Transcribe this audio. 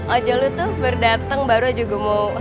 ojol lo tuh baru dateng baru aja gue mau